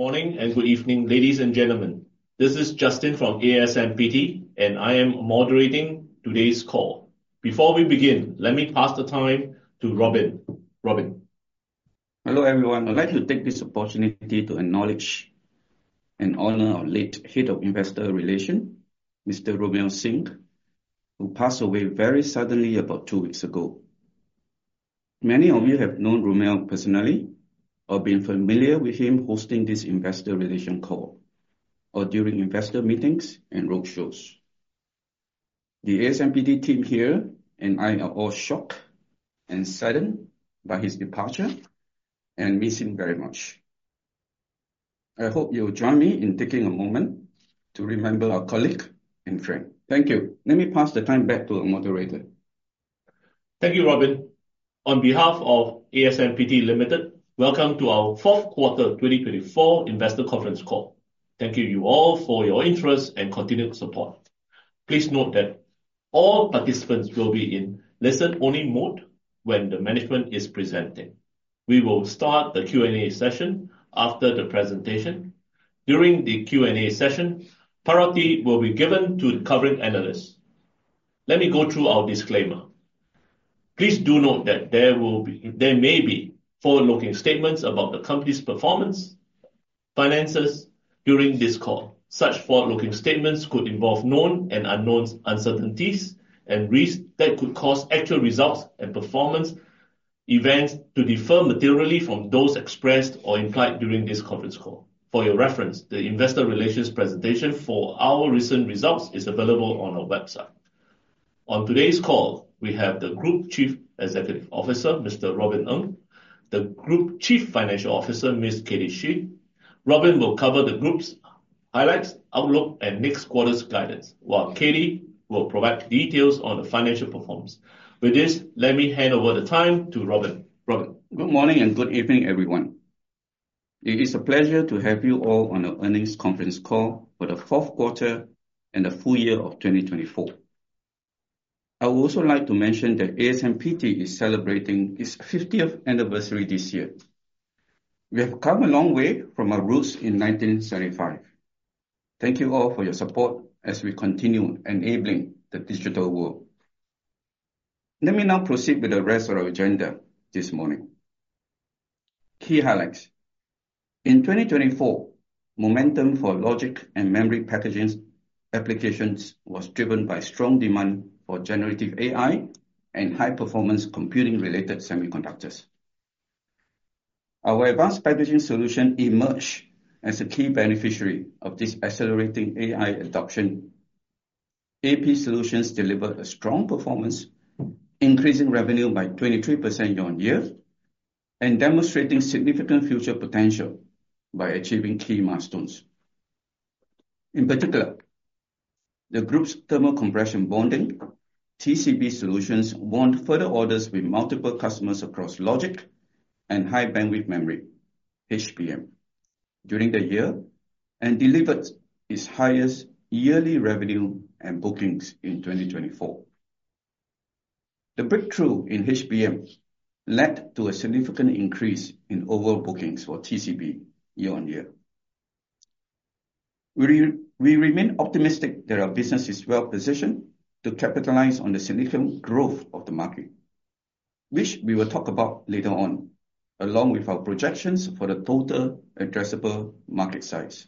Morning and good evening, ladies and gentlemen. This is Justin from ASMPT, and I am moderating today's call. Before we begin, let me pass the mic to Robin. Robin. Hello everyone. I'd like to take this opportunity to acknowledge and honor our late Head of Investor Relations, Mr. Romeo Singh, who passed away very suddenly about two weeks ago. Many of you have known Romeo personally or been familiar with him hosting this investor relations call or during investor meetings and roadshows. The ASMPT team here and I are all shocked and saddened by his departure and miss him very much. I hope you'll join me in taking a moment to remember our colleague and friend. Thank you. Let me pass the time back to our moderator. Thank you, Robin. On behalf of ASMPT Limited, welcome to our Q4 2024 Investor Conference call. Thank you all for your interest and continued support. Please note that all participants will be in listen-only mode when the management is presenting. We will start the Q&A session after the presentation. During the Q&A session, priority will be given to the covering analysts. Let me go through our disclaimer. Please do note that there may be forward-looking statements about the company's performance and finances during this call. Such forward-looking statements could involve known and unknown uncertainties and risks that could cause actual results and performance events to differ materially from those expressed or implied during this conference call. For your reference, the investor relations presentation for our recent results is available on our website. On today's call, we have the Group Chief Executive Officer, Mr. Robin Ng, the Group Chief Executive Officer, and Ms. Katie Xu, the Group Chief Financial Officer. Robin will cover the group's highlights, outlook, and next quarter's guidance, while Katie will provide details on the financial performance. With this, let me hand over the time to Robin. Robin. Good morning and good evening, everyone. It is a pleasure to have you all on our earnings conference call for the Q4 and the full year of 2024. I would also like to mention that ASMPT is celebrating its 50th anniversary this year. We have come a long way from our roots in 1975. Thank you all for your support as we continue enabling the digital world. Let me now proceed with the rest of our agenda this morning. Key highlights. In 2024, momentum for logic and memory packaging applications was driven by strong demand for generative AI and high-performance computing-related Semiconductors. Our advanced packaging solution emerged as a key beneficiary of this accelerating AI adoption. AP Solutions delivered a strong performance, increasing revenue by 23% year on year and demonstrating significant future potential by achieving key milestones. In particular, the group's thermal compression bonding (TCB) solutions won further orders with multiple customers across logic and high bandwidth memory (HBM) during the year and delivered its highest yearly revenue and bookings in 2024. The breakthrough in HBM led to a significant increase in overall bookings for TCB year on year. We remain optimistic that our business is well positioned to capitalize on the significant growth of the market, which we will talk about later on, along with our projections for the total addressable market size.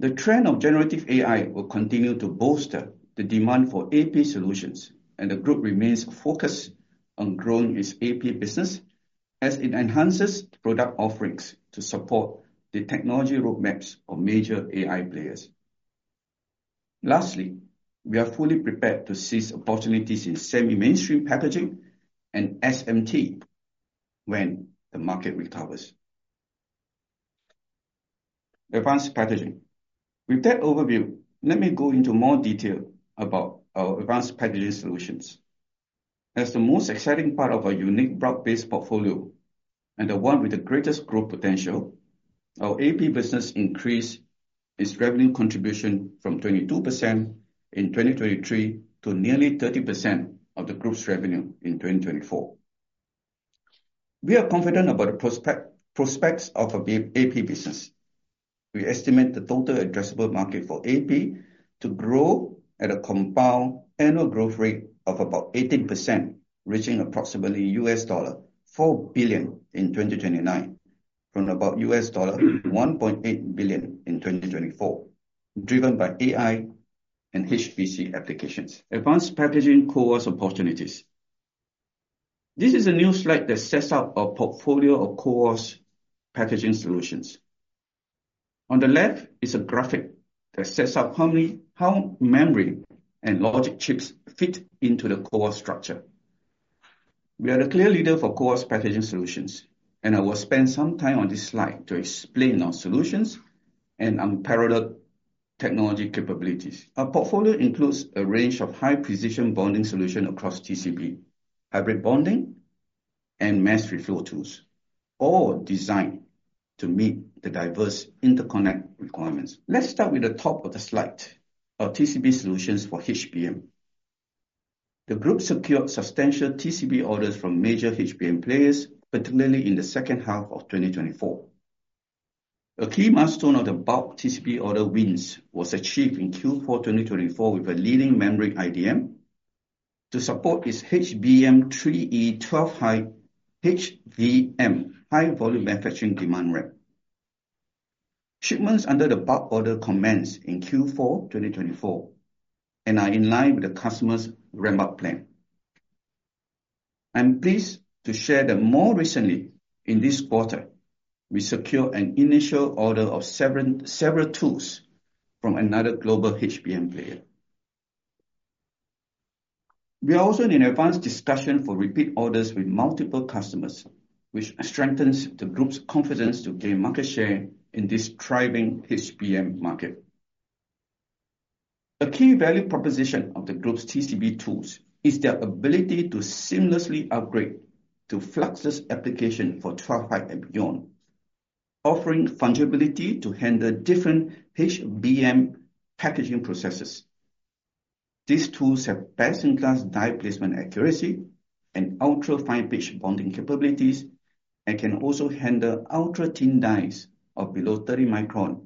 The trend of generative AI will continue to bolster the demand for AP solutions, and the group remains focused on growing its AP business as it enhances product offerings to support the technology roadmaps of major AI players. Lastly, we are fully prepared to seize opportunities in Semi-mainstream packaging and SMT when the market recovers. Advanced packaging. With that overview, let me go into more detail about our advanced packaging solutions. As the most exciting part of our unique block-based portfolio and the one with the greatest growth potential, our AP business increased its revenue contribution from 22% in 2023 to nearly 30% of the group's revenue in 2024. We are confident about the prospects of our AP business. We estimate the total addressable market for AP to grow at a compound annual growth rate of about 18%, reaching approximately $4 billion in 2029 from about $1.8 billion in 2024, driven by AI and HPC applications. Advanced Packaging CoWoS opportunities. This is a new slide that sets out our portfolio of CoWoS packaging solutions. On the left, it's a graphic that sets out how memory and logic chips fit into the CoWoS structure. We are the clear leader for CoWoS packaging solutions, and I will spend some time on this slide to explain our solutions and unparalleled technology capabilities. Our portfolio includes a range of high-precision bonding solutions across TCB, hybrid bonding, and mass reflow tools, all designed to meet the diverse interconnect requirements. Let's start with the top of the slide, our TCB solutions for HBM. The group secured substantial TCB orders from major HBM players, particularly in the second half of 2024. A key milestone of the bulk TCB order wins was achieved in Q4 2024 with a leading memory IDM to support its HBM3E 12-high HVM, high-volume manufacturing demand ramp. Shipments under the bulk order commenced in Q4 2024 and are in line with the customer's ramp-up plan. I'm pleased to share that more recently, in this quarter, we secured an initial order of several tools from another global HBM player. We are also in advanced discussion for repeat orders with multiple customers, which strengthens the group's confidence to gain market share in this thriving HBM market. A key value proposition of the group's TCB tools is their ability to seamlessly upgrade to fluxless applications for 12-high and beyond, offering fungibility to handle different HBM packaging processes. These tools have best-in-class die placement accuracy and ultra-fine pitch bonding capabilities and can also handle ultra-thin dies of below 30 microns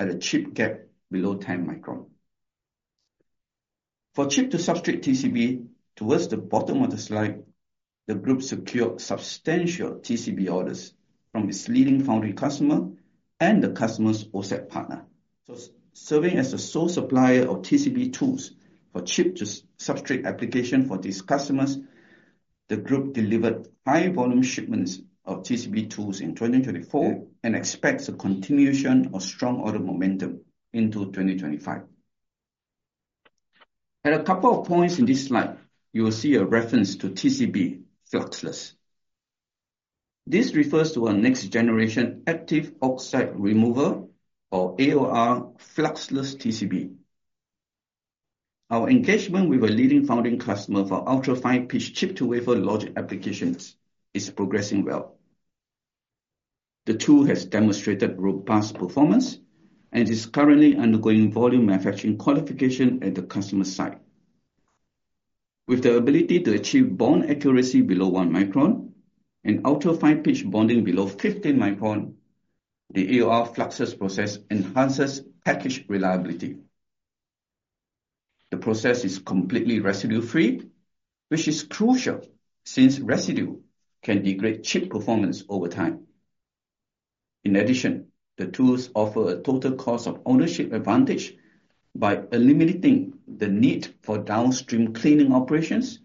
at a chip gap below 10 microns. For chip-to-substrate TCB, towards the bottom of the slide, the group secured substantial TCB orders from its leading foundry customer and the customer's OSAT partner. Serving as the sole supplier of TCB tools for chip-to-substrate applications for these customers, the group delivered high-volume shipments of TCB tools in 2024 and expects a continuation of strong order momentum into 2025. At a couple of points in this slide, you will see a reference to TCB fluxless. This refers to our next-generation active oxide remover, or AOR fluxless TCB. Our engagement with a leading foundry customer for ultra-fine pitch chip-to-wafer logic applications is progressing well. The tool has demonstrated robust performance and is currently undergoing volume manufacturing qualification at the customer's site. With the ability to achieve bond accuracy below 1 micron and ultra-fine pitch bonding below 15 microns, the AOR fluxless process enhances package reliability. The process is completely residue-free, which is crucial since residue can degrade chip performance over time. In addition, the tools offer a total cost of ownership advantage by eliminating the need for downstream cleaning operations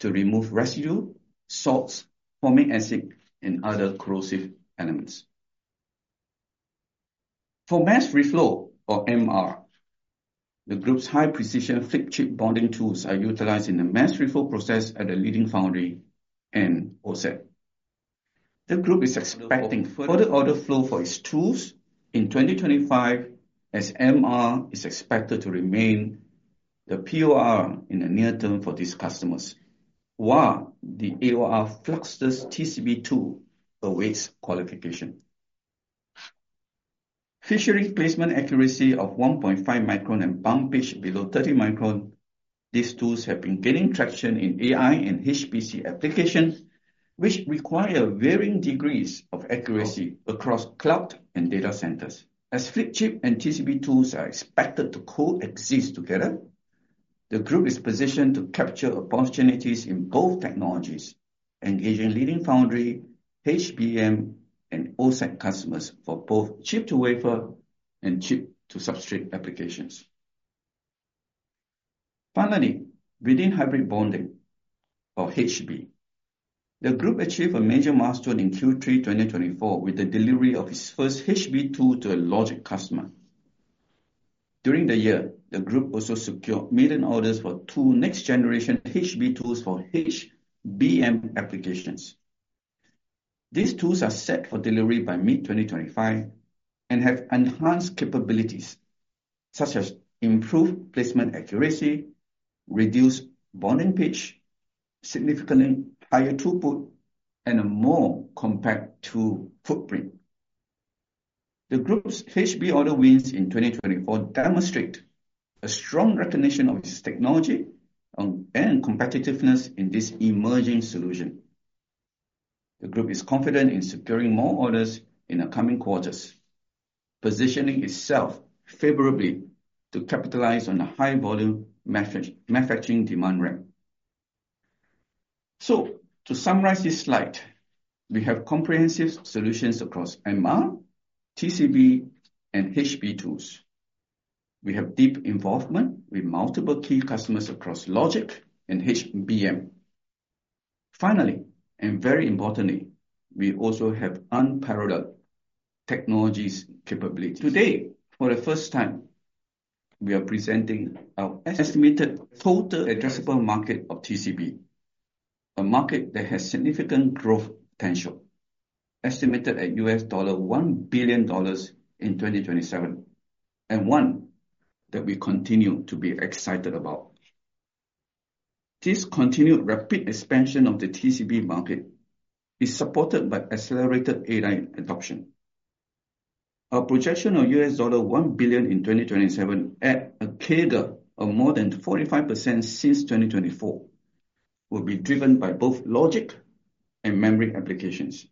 to remove residue, salts, formic acid, and other corrosive elements. For Mass Reflow, or MR, the group's high-precision flip chip bonding tools are utilized in the Mass Reflow process at the leading foundry and OSAT. The group is expecting further order flow for its tools in 2025 as MR is expected to remain the POR in the near term for these customers, while the AOR fluxless TCB tool awaits qualification. Featuring placement accuracy of 1.5 microns and bond pitch below 30 microns, these tools have been gaining traction in AI and HPC applications, which require varying degrees of accuracy across cloud and data centers. As flip chip and TCB tools are expected to coexist together, the group is positioned to capture opportunities in both technologies, engaging leading foundry, HBM, and OSAT customers for both chip-to-wafer and chip-to-substrate applications. Finally, within hybrid bonding, or HB, the group achieved a major milestone in Q3 2024 with the delivery of its first HB tool to a logic customer. During the year, the group also secured million orders for two next-generation HB tools for HBM applications. These tools are set for delivery by mid-2025 and have enhanced capabilities such as improved placement accuracy, reduced bonding pitch, significantly higher throughput, and a more compact tool footprint. The group's HB order wins in 2024 demonstrate a strong recognition of its technology and competitiveness in this emerging solution. The group is confident in securing more orders in the coming quarters, positioning itself favorably to capitalize on the high-volume manufacturing demand ramp. So to summarize this slide, we have comprehensive solutions across MR, TCB, and HB tools. We have deep involvement with multiple key customers across logic and HBM. Finally, and very importantly, we also have unparalleled technology capabilities. Today, for the first time, we are presenting our estimated total addressable market of TCB, a market that has significant growth potential estimated at $1 billion in 2027 and one that we continue to be excited about. This continued rapid expansion of the TCB market is supported by accelerated AI adoption. Our projection of $1 billion in 2027, at a CAGR of more than 45% since 2024, will be driven by both logic and memory applications.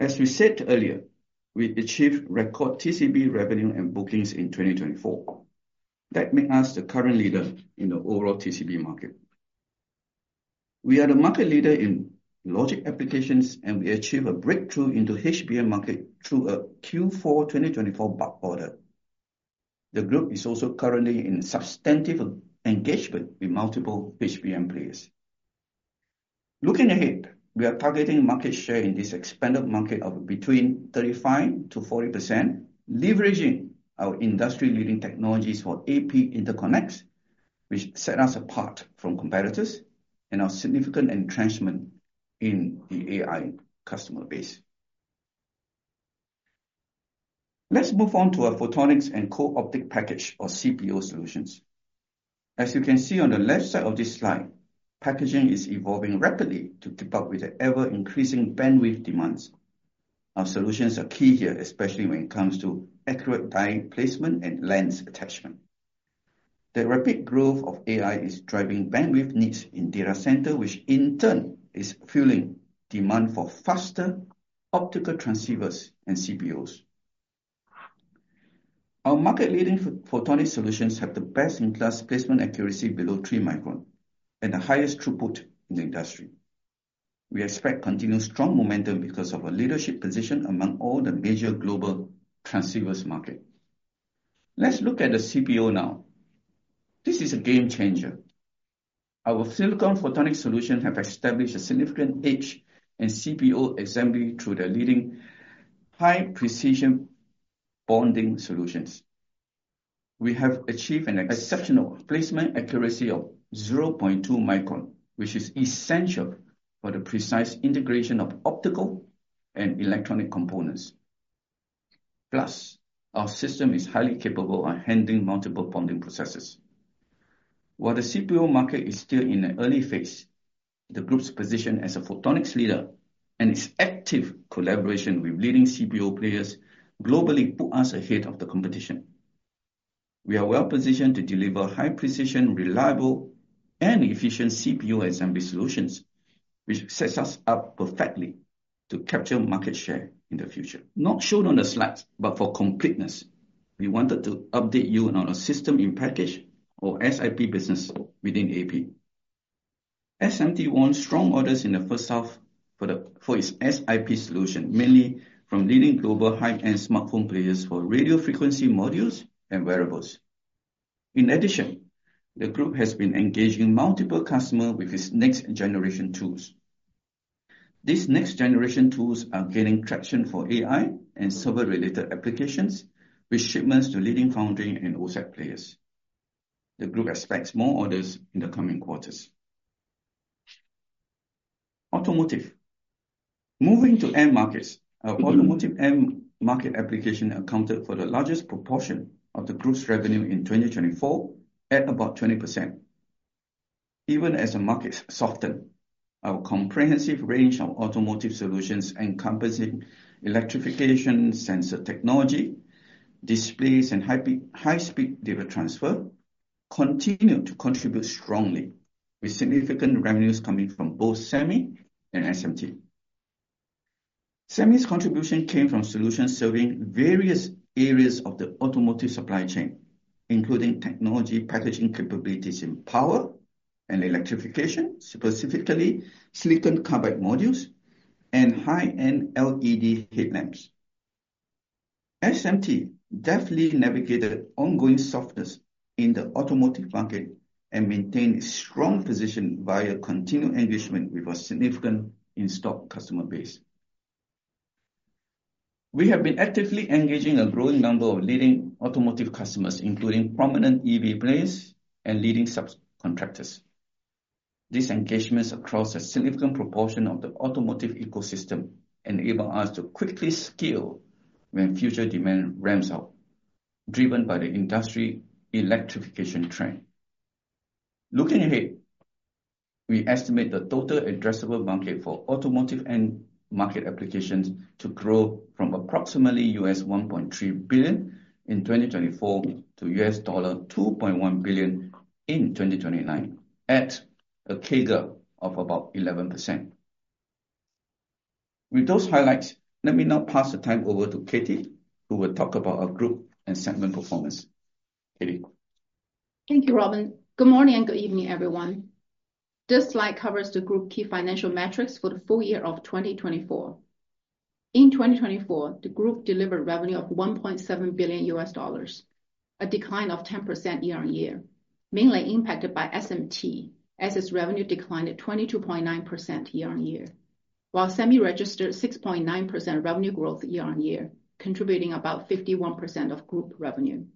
As we said earlier, we achieved record TCB revenue and bookings in 2024. That makes us the current leader in the overall TCB market. We are the market leader in logic applications, and we achieved a breakthrough into HBM market through a Q4 2024 bulk order. The group is also currently in substantive engagement with multiple HBM players. Looking ahead, we are targeting market share in this expanded market of between 35% to 40%, leveraging our industry-leading technologies for AP interconnects, which set us apart from competitors and our significant entrenchment in the AI customer base. Let's move on to our photonics and co-packaged optics, or CPO, solutions. As you can see on the left side of this slide, packaging is evolving rapidly to keep up with the ever-increasing bandwidth demands. Our solutions are key here, especially when it comes to accurate die placement and lens attachment. The rapid growth of AI is driving bandwidth needs in data centers, which in turn is fueling demand for faster optical transceivers and CPOs. Our market-leading photonic solutions have the best-in-class placement accuracy below 3 microns and the highest throughput in the industry. We expect continued strong momentum because of our leadership position among all the major global transceivers market. Let's look at the CPO now. This is a game changer. Our silicon photonic solutions have established a significant edge in CPO assembly through their leading high-precision bonding solutions. We have achieved an exceptional placement accuracy of 0.2 microns, which is essential for the precise integration of optical and electronic components. Plus, our system is highly capable of handling multiple bonding processes. While the CPO market is still in the early phase, the group's position as a photonics leader and its active collaboration with leading CPO players globally put us ahead of the competition. We are well positioned to deliver high-precision, reliable, and efficient CPO assembly solutions, which sets us up perfectly to capture market share in the future. Not shown on the slide, but for completeness, we wanted to update you on our System-in-Package, or SiP business, within AP. SMT won strong orders in the first half for its SiP solution, mainly from leading global high-end smartphone players for radio frequency modules and wearables. In addition, the group has been engaging multiple customers with its next-generation tools. These next-generation tools are gaining traction for AI and server-related applications, with shipments to leading foundry and OSAT players. The group expects more orders in the coming quarters. Automotive. Moving to end markets, our automotive end market application accounted for the largest proportion of the group's revenue in 2024, at about 20%. Even as the markets softened, our comprehensive range of automotive solutions encompassing electrification, sensor technology, displays, and high-speed data transfer continued to contribute strongly, with significant revenues coming from both Semi and Semi's contribution came from solutions serving various areas of the automotive supply chain, including technology packaging capabilities in power and electrification, specifically silicon carbide modules and high-end LED headlamps. SMT deftly navigated ongoing softness in the automotive market and maintained a strong position via continued engagement with a significant in-stock customer base. We have been actively engaging a growing number of leading automotive customers, including prominent EV players and leading subcontractors. These engagements across a significant proportion of the automotive ecosystem enable us to quickly scale when future demand ramps up, driven by the industry electrification trend. Looking ahead, we estimate the total addressable market for automotive end market applications to grow from approximately $1.3 billion in 2024 to $2.1 billion in 2029, at a CAGR of about 11%. With those highlights, let me now pass the time over to Katie, who will talk about our group and segment performance. Katie. Thank you, Robin. Good morning and good evening, everyone. This slide covers the group's key financial metrics for the full year of 2024. In 2024, the group delivered revenue of $1.7 billion, a decline of 10% year on year, mainly impacted by SMT as its revenue declined at 22.9% year on year, while Semi registered 6.9% revenue growth year on year, contributing about 51% of group revenue.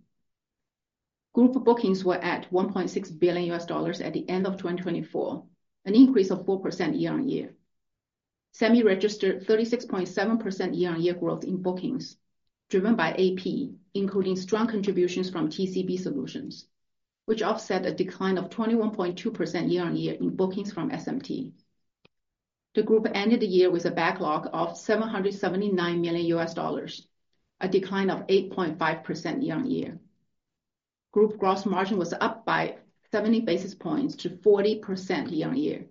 Group bookings were at $1.6 billion at the end of 2024, an increase of 4% year on year. Semi registered 36.7% year-on-year growth in bookings, driven by AP, including strong contributions from TCB solutions, which offset a decline of 21.2% year-on-year in bookings from SMT. The group ended the year with a backlog of $779 million, a decline of 8.5% year-on-year. Group gross margin was up by 70 basis points to 40% year-on-year,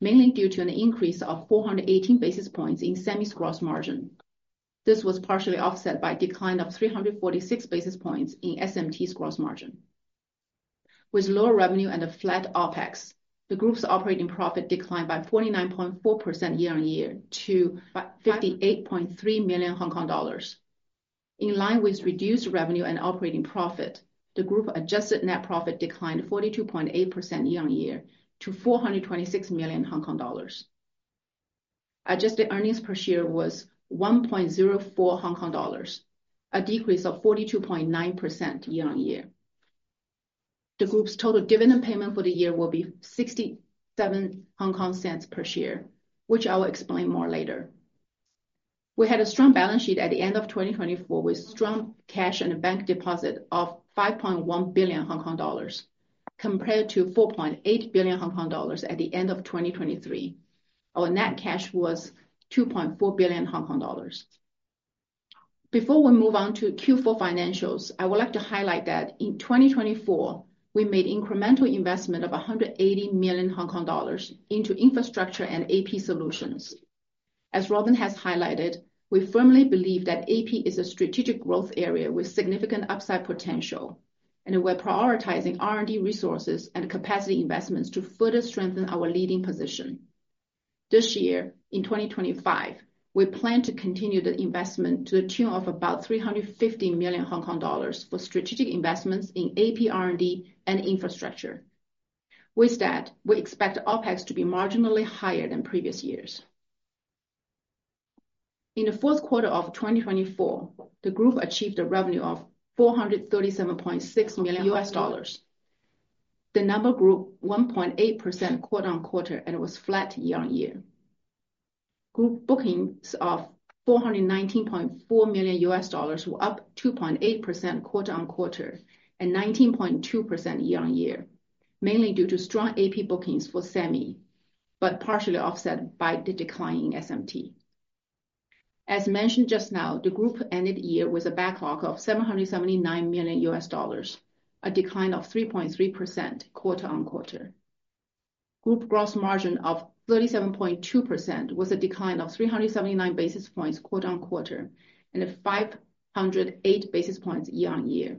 mainly due to an increase of 418 basis points in Semi's gross margin. This was partially offset by a decline of 346 basis points in SMT's gross margin. With lower revenue and a flat OPEX, the group's operating profit declined by 49.4% year-on-year to 58.3 million Hong Kong dollars. In line with reduced revenue and operating profit, the group adjusted net profit declined 42.8% year-on-year to 426 million Hong Kong dollars. Adjusted earnings per share was 1.04 Hong Kong dollars, a decrease of 42.9% year-on-year. The group's total dividend payment for the year will be 0.67 per share, which I will explain more later. We had a strong balance sheet at the end of 2024 with strong cash and a bank deposit of 5.1 billion Hong Kong dollars, compared to 4.8 billion Hong Kong dollars at the end of 2023. Our net cash was 2.4 billion Hong Kong dollars. Before we move on to Q4 financials, I would like to highlight that in 2024, we made incremental investment of 180 million Hong Kong dollars into infrastructure and AP solutions. As Robin has highlighted, we firmly believe that AP is a strategic growth area with significant upside potential, and we are prioritizing R&D resources and capacity investments to further strengthen our leading position. This year, in 2025, we plan to continue the investment to the tune of about 350 million Hong Kong dollars for strategic investments in AP R&D and infrastructure. With that, we expect OpEx to be marginally higher than previous years. In the Q4 of 2024, the group achieved a revenue of $437.6 million. The number grew 1.8% quarter on quarter, and it was flat year on year. Group bookings of $419.4 million were up 2.8% quarter on quarter and 19.2% year on year, mainly due to strong AP bookings for Semi, but partially offset by the decline in SMT. As mentioned just now, the group ended the year with a backlog of $779 million, a decline of 3.3% quarter on quarter. Group gross margin of 37.2% was a decline of 379 basis points quarter on quarter and 508 basis points year on year.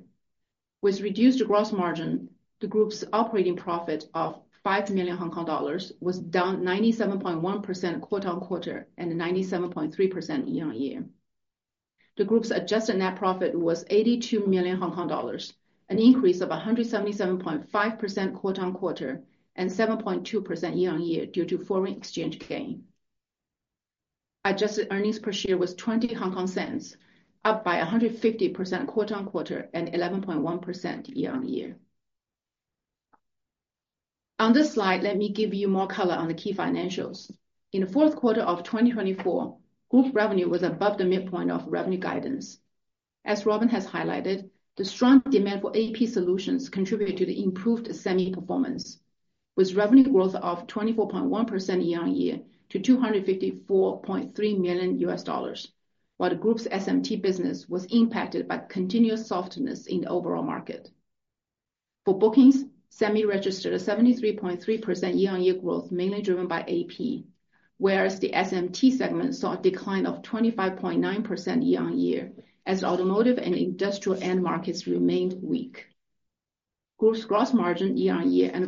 With reduced gross margin, the group's operating profit of 5 million Hong Kong dollars was down 97.1% quarter on quarter and 97.3% year on year. The group's adjusted net profit was 82 million Hong Kong dollars, an increase of 177.5% quarter on quarter and 7.2% year on year due to foreign exchange gain. Adjusted earnings per share was 0.20, up by 150% quarter on quarter and 11.1% year on year. On this slide, let me give you more color on the key financials. In the Q4 of 2024, group revenue was above the midpoint of revenue guidance. As Robin has highlighted, the strong demand for AP solutions contributed to the improved Semi performance, with revenue growth of 24.1% year on year to $254.3 million, while the group's SMT business was impacted by continued softness in the overall market. For bookings, Semi registered a 73.3% year-on-year growth, mainly driven by AP, whereas the SMT segment saw a decline of 25.9% year on year as automotive and industrial end markets remained weak. Group's gross margin year on year and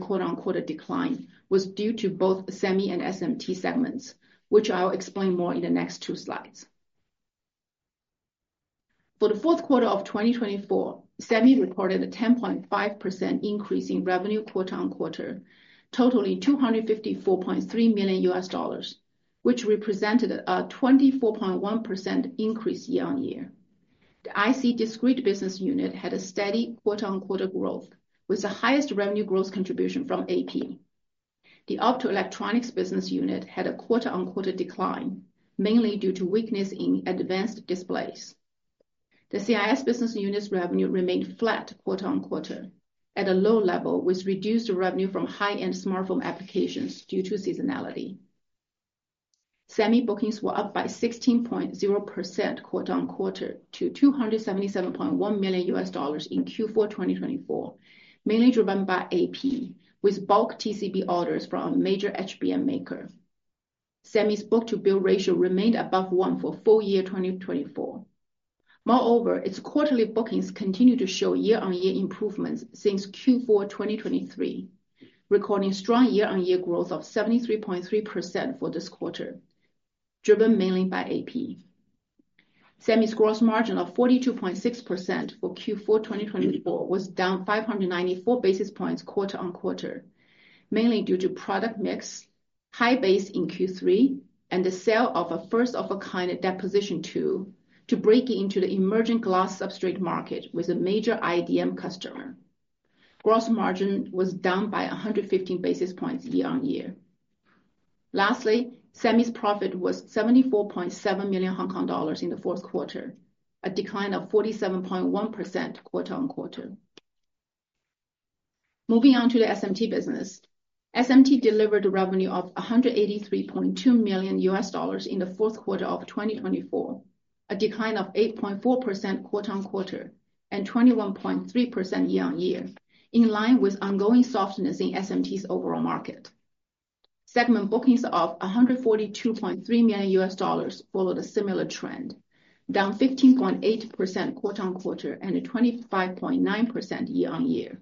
"decline" was due to both Semi and SMT segments, which I'll explain more in the next two slides. For the Q4 of 2024, Semi reported a 10.5% increase in revenue quarter on quarter, totaling $254.3 million, which represented a 24.1% increase year on year. The IC discrete business unit had a steady quarter on quarter growth, with the highest revenue growth contribution from AP. The optoelectronics business unit had a quarter on quarter decline, mainly due to weakness in advanced displays. The CIS business unit's revenue remained flat quarter on quarter at a low level, with reduced revenue from high-end smartphone applications due to seasonality. Semi bookings were up by 16.0% quarter on quarter to $277.1 million in Q4 2024, mainly driven by AP, with bulk TCB orders from a major HBM maker. Semi's book-to-bill ratio remained above one for full year 2024. Moreover, its quarterly bookings continued to show year-on-year improvements since Q4 2023, recording strong year-on-year growth of 73.3% for this quarter, driven mainly by AP. Semi's gross margin of 42.6% for Q4 2024 was down 594 basis points quarter on quarter, mainly due to product mix, high base in Q3, and the sale of a first-of-a-kind deposition tool to break into the emerging glass substrate market with a major IDM customer. Gross margin was down by 115 basis points year on year. Lastly, Semi's profit was 74.7 million Hong Kong dollars in the Q4, a decline of 47.1% quarter on quarter. Moving on to the SMT business, SMT delivered a revenue of $183.2 million in the Q4 of 2024, a decline of 8.4% quarter on quarter and 21.3% year on year, in line with ongoing softness in SMT's overall market. Segment bookings of $142.3 million followed a similar trend, down 15.8% quarter on quarter and 25.9% year on year.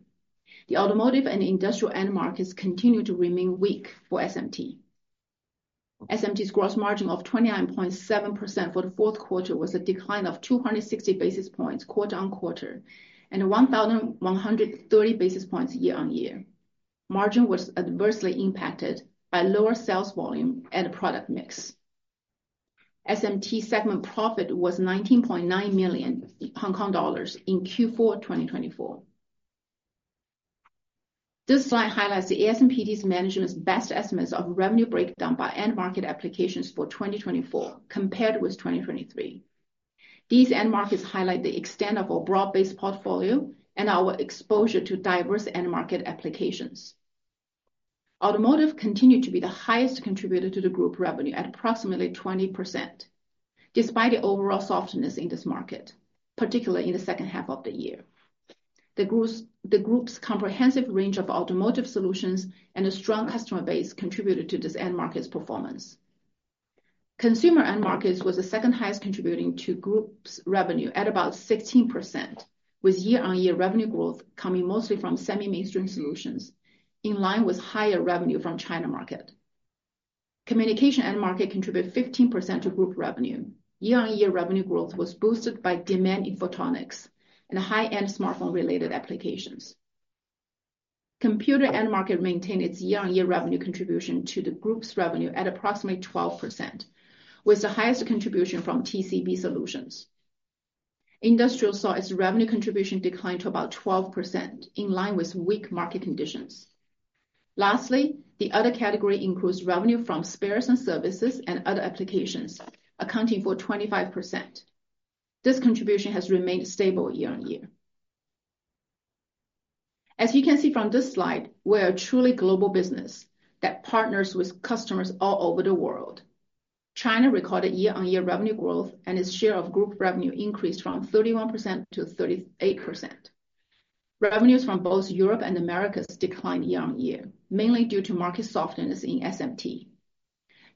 The automotive and industrial end markets continued to remain weak for SMT. SMT's gross margin of 29.7% for the Q4 was a decline of 260 basis points quarter on quarter and 1,130 basis points year on year. Margin was adversely impacted by lower sales volume and product mix. SMT segment profit was 19.9 million Hong Kong dollars in Q4 2024. This slide highlights the ASMPT's management's best estimates of revenue breakdown by end market applications for 2024 compared with 2023. These end markets highlight the extent of our broad-based portfolio and our exposure to diverse end market applications. Automotive continued to be the highest contributor to the group revenue at approximately 20%, despite the overall softness in this market, particularly in the second half of the year. The group's comprehensive range of automotive solutions and a strong customer base contributed to this end market's performance. Consumer end markets were the second highest contributing to group's revenue at about 16%, with year-on-year revenue growth coming mostly from SEMI mainstream solutions, in line with higher revenue from China market. Communication end market contributed 15% to group revenue. Year-on-year revenue growth was boosted by demand in photonics and high-end smartphone-related applications. Computer end market maintained its year-on-year revenue contribution to the group's revenue at approximately 12%, with the highest contribution from TCB solutions. Industrial saw its revenue contribution decline to about 12%, in line with weak market conditions. Lastly, the other category includes revenue from spares and services and other applications, accounting for 25%. This contribution has remained stable year on year. As you can see from this slide, we are a truly global business that partners with customers all over the world. China recorded year-on-year revenue growth, and its share of group revenue increased from 31% to 38%. Revenues from both Europe and America declined year on year, mainly due to market softness in SMT.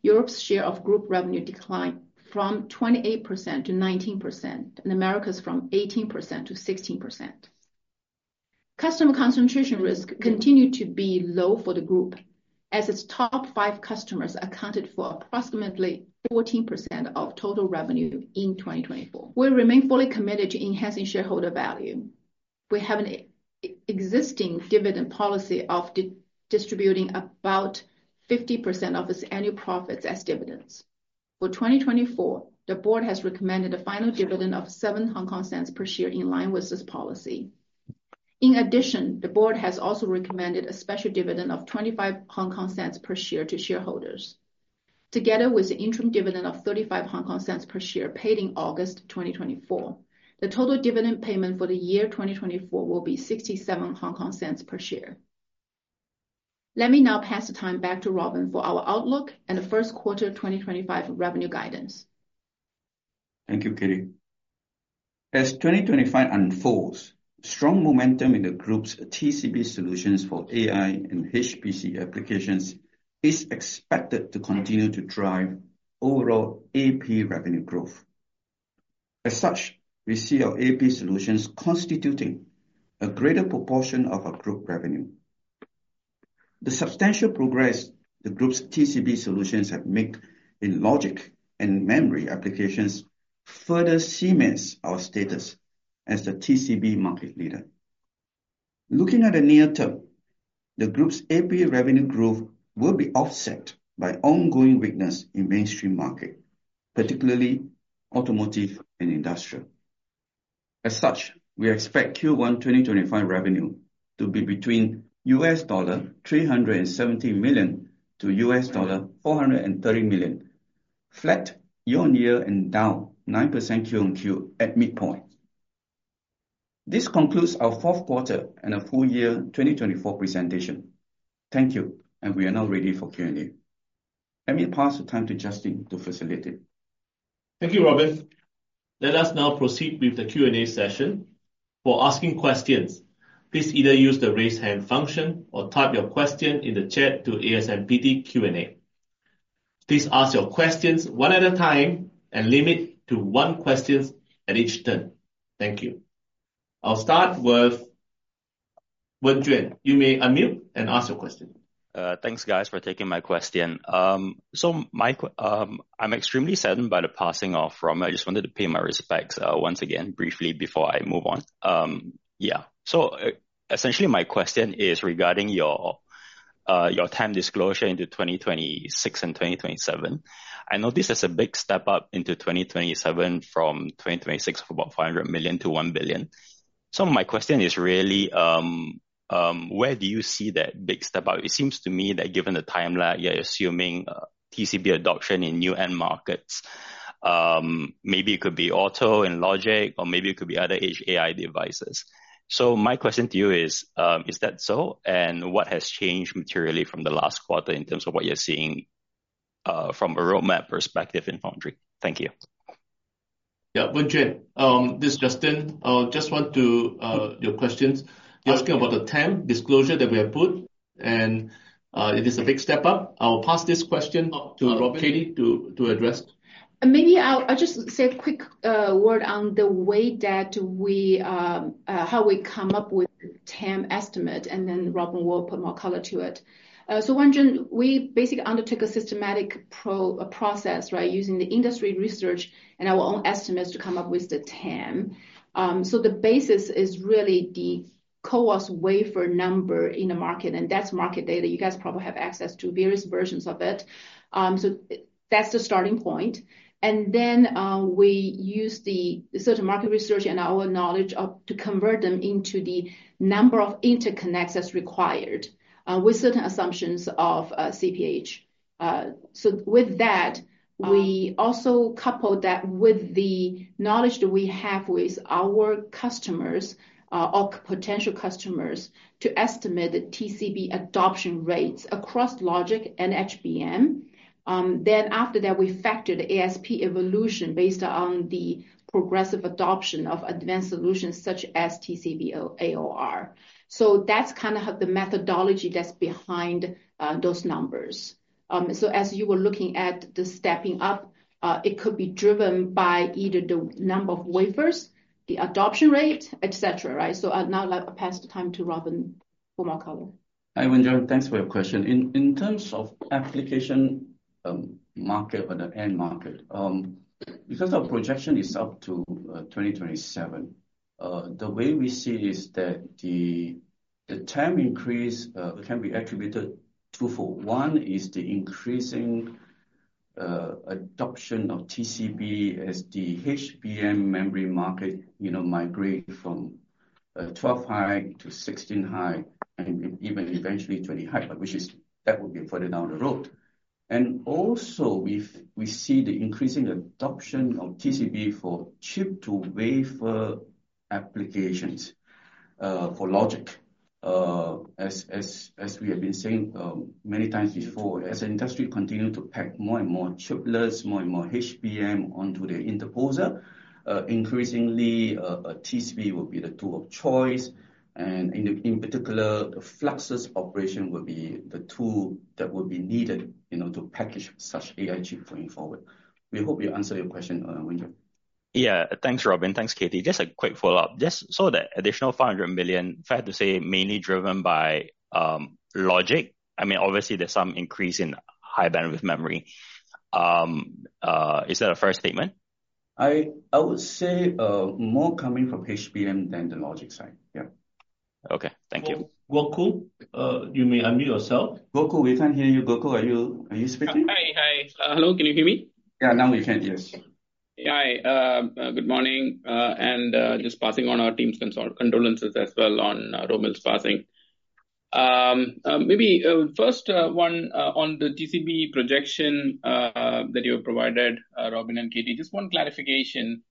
Europe's share of group revenue declined from 28% to 19%, and America's from 18% to 16%. Customer concentration risk continued to be low for the group, as its top five customers accounted for approximately 14% of total revenue in 2024. We remain fully committed to enhancing shareholder value. We have an existing dividend policy of distributing about 50% of its annual profits as dividends. For 2024, the board has recommended a final dividend of 7 per share in line with this policy. In addition, the board has also recommended a special dividend of 25 per share to shareholders. Together with the interim dividend of 35 per share paid in August 2024, the total dividend payment for the year 2024 will be 0.67 per share. Let me now pass the time back to Robin for our outlook and the Q1 2025 revenue guidance. Thank you, Katie. As 2025 unfolds, strong momentum in the group's TCB solutions for AI and HPC applications is expected to continue to drive overall AP revenue growth. As such, we see our AP solutions constituting a greater proportion of our group revenue. The substantial progress the group's TCB solutions have made in logic and memory applications further cements our status as the TCB market leader. Looking at the near term, the group's AP revenue growth will be offset by ongoing weakness in mainstream markets, particularly automotive and industrial. As such, we expect Q1 2025 revenue to be between $370 to 430 million, flat year on year and down 9% Q on Q at midpoint. This concludes our Q4 and a full year 2024 presentation. Thank you, and we are now ready for Q&A. Let me pass the mic to Justin to facilitate. Thank you, Robin. Let us now proceed with the Q&A session. For asking questions, please either use the raise hand function or type your question in the chat to ASMPT Q&A. Please ask your questions one at a time and limit to one question at each turn. Thank you. I'll start with Wen Chuen. You may unmute and ask your question. Thanks, guys, for taking my question. So I'm extremely saddened by the passing of Romeo. I just wanted to pay my respects once again briefly before I move on. Yeah. So essentially, my question is regarding your time disclosure into 2026 and 2027. I know this is a big step up into 2027 from 2026 of about $500 million-$1 billion. So my question is really, where do you see that big step-up? It seems to me that given the timeline, you're assuming TCB adoption in new end markets. Maybe it could be auto and logic, or maybe it could be other AI devices. So my question to you is, is that so? What has changed materially from the last quarter in terms of what you're seeing from a roadmap perspective in foundry? Thank you. Yeah, Wen Chuen. This is Justin. I just want to ask your question. You're asking about the time disclosure that we have put, and it is a big step up. I'll pass this question to Robin, Katie, to address. Maybe I'll just say a quick word on the way that we come up with the TAM estimate, and then Robin will put more color to it. Wen Chuen, we basically undertook a systematic process, right, using the industry research and our own estimates to come up with the TAM. The basis is really the CoWoS wafer number in the market, and that's market data. You guys probably have access to various versions of it. That's the starting point. And then we used the certain market research and our knowledge to convert them into the number of interconnects as required with certain assumptions of CPH. So with that, we also coupled that with the knowledge that we have with our customers, our potential customers, to estimate the TCB adoption rates across logic and HBM. Then after that, we factored the ASP evolution based on the progressive adoption of advanced solutions such as TCB AOR. So that's kind of the methodology that's behind those numbers. So as you were looking at the stepping up, it could be driven by either the number of wafers, the adoption rate, et cetera, right? So now I'll pass the mic to Robin for more color. Hi, Wen Chuen. Thanks for your question. In terms of application market or the end market, because our projection is up to 2027, the way we see is that the TAM increase can be attributed to four. One is the increasing adoption of TCB as the HBM memory market migrates from 12-high to 16-high, and even eventually 20-high, which is that would be further down the road. And also, we see the increasing adoption of TCB for chip-to-wafer applications for logic. As we have been saying many times before, as industry continues to pack more and more chiplets, more and more HBM onto the interposer, increasingly, TCB will be the tool of choice. And in particular, the fluxless operation will be the tool that will be needed to package such AI chip going forward. We hope that answers your question, Wen Chuen. Yeah, thanks, Robin. Thanks, Katie. Just a quick follow-up. Just saw that additional $500 million, fair to say, mainly driven by logic. I mean, obviously, there's some increase in high bandwidth memory. Is that a fair statement? I would say more coming from HBM than the logic side. Yeah. Okay. Thank you. Goku, you may unmute yourself. Goku, we can hear you. Goku, are you speaking? Hi. Hello. Can you hear me? Yeah, now we can. Yes. Hi. Good morning. And just passing on our team's condolences as well on Romeo's passing. Maybe first one on the TCB projection that you have provided, Robin and Katie, just one clarification.